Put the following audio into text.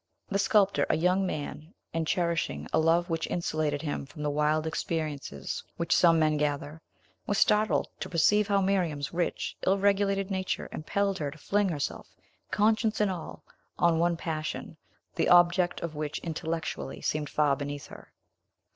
The sculptor a young man, and cherishing a love which insulated him from the wild experiences which some men gather was startled to perceive how Miriam's rich, ill regulated nature impelled her to fling herself, conscience and all, on one passion, the object of which intellectually seemed far beneath her.